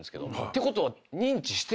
てことは。